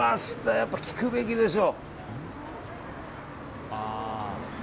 やっぱ聞くべきでしょ。